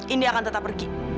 indi akan tetap pergi